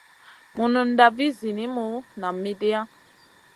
Mununda vih zinimu nam midia.